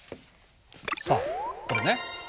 さあこれね。